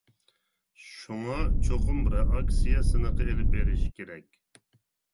شۇڭا، چوقۇم رېئاكسىيە سىنىقى ئېلىپ بېرىش كېرەك.